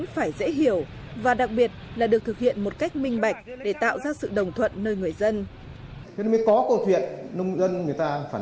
phải dễ hiểu và đặc biệt là được thực hiện một cách minh bạch để tạo ra sự đồng thuận nơi người dân